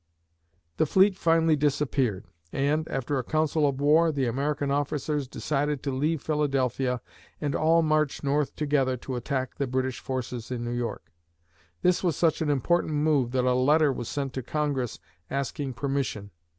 The fleet finally disappeared and, after a council of war, the American officers decided to leave Philadelphia and all march north together to attack the British forces in New York. This was such an important move that a letter was sent to Congress asking permission.